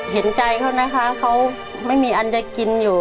เห็นใจเขานะคะเขาไม่มีอันจะกินอยู่